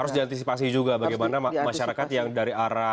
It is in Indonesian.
harus diantisipasi juga bagaimana masyarakat yang dari arah